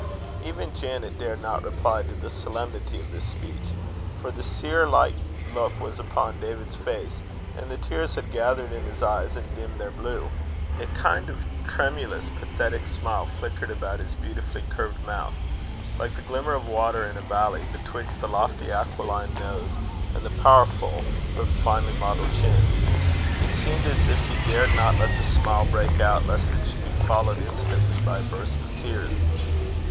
Even Janet dared not reply to the solemnity of this speech; for the seer like look was upon David's face, and the tears had gathered in his eyes and dimmed their blue. A kind of tremulous pathetic smile flickered about his beautifully curved mouth, like the glimmer of water in a valley, betwixt the lofty aquiline nose and the powerful but finely modelled chin. It seemed as if he dared not let the smile break out, lest it should be followed instantly by a burst of tears.